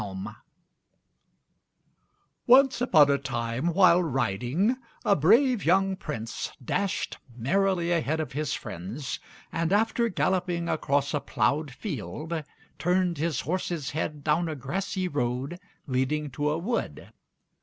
] Once upon a time, while riding, a brave, young prince dashed merrily ahead of his friends, and after galloping across a ploughed field, turned his horse's head down a grassy road leading to a wood.